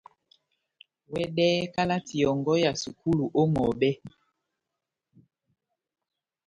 Wɛdɛhɛ kalati yɔ́ngɔ ya sukulu ó ŋʼhɔbɛ.